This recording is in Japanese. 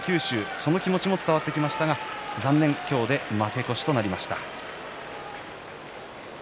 その気持ちが伝わってきましたが負け越しとなりました。